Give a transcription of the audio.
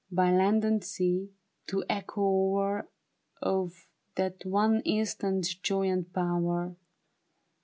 By land and sea, the echo o'er Of that one instant's joy and power."